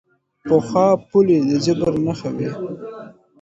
پخوا پولې د جبر نښه وې.